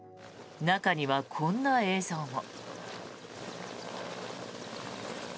中にはこんな映像も。